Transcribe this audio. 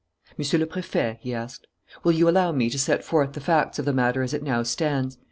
"Monsieur le Préfet," he asked, "will you allow me to set forth the facts of the matter as it now stands?